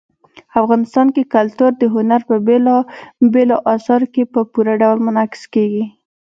افغانستان کې کلتور د هنر په بېلابېلو اثارو کې په پوره ډول منعکس کېږي.